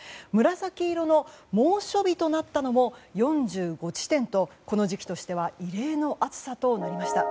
紫色の猛暑日となったのも４５地点とこの時期としては異例の暑さとなりました。